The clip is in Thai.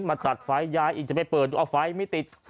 มาตัดไฟยายอีกจะไปเปิดดูเอาไฟไม่ติด